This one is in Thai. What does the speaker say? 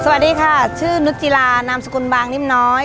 สวัสดีค่ะชื่อนุจิลานามสกุลบางนิ่มน้อย